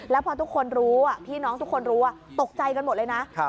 แล้วพอทุกคนรู้พี่น้องทุกคนรู้ตกใจกันหมดเลยนะ